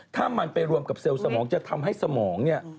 ถ้ามันไปรวมกับเซลล์สมองจะทำให้สมองเนี่ย